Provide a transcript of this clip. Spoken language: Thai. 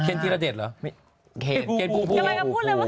เคนอาเดทบุภู